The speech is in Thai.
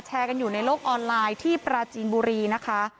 แชร์กันอยู่ในโลกออนไลน์ที่ปราจีนบุรีนะคะ